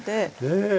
ええ。